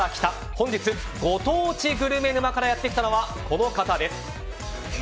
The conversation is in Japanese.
本日、ご当地グルメ沼からやってきたのは、この方です。